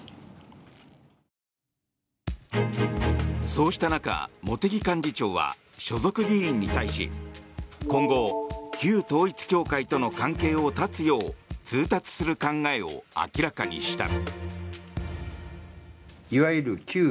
そうした中、茂木幹事長は所属議員に対し今後、旧統一教会との関係を絶つよう通達する考えを明らかにした。